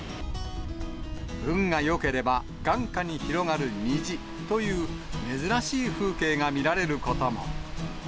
運がよければ、眼下に広がる虹という、珍しい風景が見られることも。